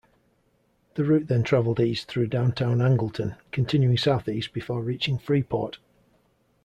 The route then traveled east through downtown Angleton, continuing southeast before reaching Freeport.